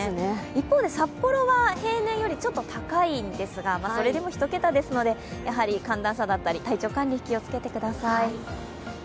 一方で札幌は平年よりちょっと高いんですがそれでも１桁ですので、やはり寒暖差だったり、体調管理気をつけてください。